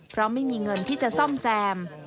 เพราะไม่มีเงินที่จะซ่อมแซม